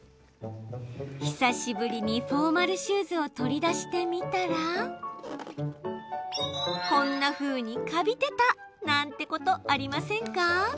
久しぶりにフォーマルシューズを取り出してみたらこんなふうに、カビてた！なんてことありませんか？